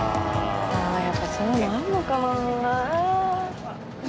やっぱりそういうのあるのかな？